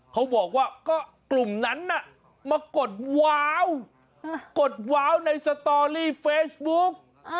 เขาบอกว่าก็กลุ่มนั้นมากดว้าวกดว้าวในสตอรี่เฟซบุ๊ก